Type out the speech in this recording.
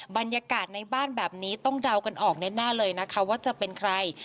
บรรยากาศในบ้านแบบนี้ต้องเดากันออกแน่เลยนะคะว่าจะเป็นใคร